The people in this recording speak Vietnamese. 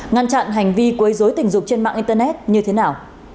ngăn chặn hành vi quấy dối tình dục trên mạng internet như thế nào